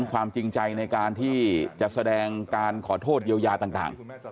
ความจริงใจในการที่จะแสดงการขอโทษเยียวยาต่าง